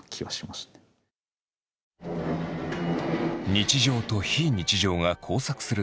日常と非日常が交錯する世界。